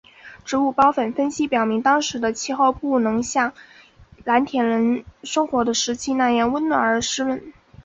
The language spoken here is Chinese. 植物孢粉分析表明当时的气候不像蓝田人生活的时期那样温暖而湿润。